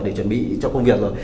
để chuẩn bị cho công việc rồi